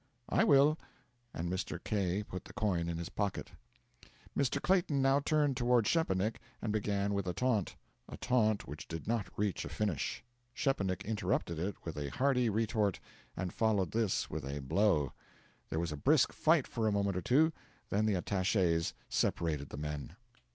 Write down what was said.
'I will,' and Mr. K. put the coin in his pocket. Mr. Clayton now turned toward Szczepanik, and began with a taunt a taunt which did not reach a finish; Szczepanik interrupted it with a hardy retort, and followed this with a blow. There was a brisk fight for a moment or two; then the attaches separated the men.